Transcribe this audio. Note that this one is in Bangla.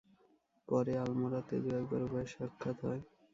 পরে আলমোড়াতে দু-একবার উভয়ের সাক্ষাৎ হয়।